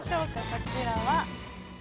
こちらは。